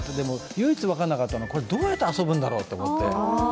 唯一分からなかったのは、これはどうやって遊ぶんだろうと思って。